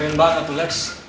keren banget tuh lex